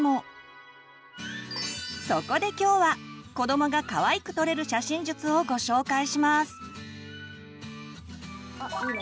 そこで今日は子どもがかわいく撮れる写真術をご紹介します！